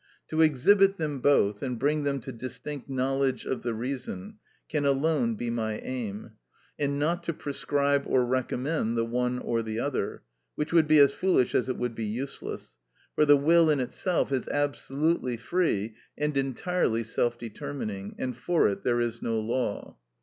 To exhibit them both, and bring them to distinct knowledge of the reason, can alone be my aim, and not to prescribe or recommend the one or the other, which would be as foolish as it would be useless; for the will in itself is absolutely free and entirely self determining, and for it there is no law.